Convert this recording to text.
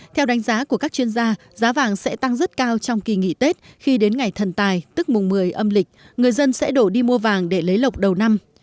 theo đánh giá của các chuyên gia giá vàng sẽ tăng rất cao trong kỳ nghỉ tết khi đến ngày thần tài tức mùng một mươi âm lịch người dân sẽ đổ đi mua vàng để lấy lọc đầu năm